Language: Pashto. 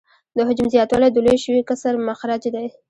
د حجم زیاتوالی د لوی شوي کسر مخرج دی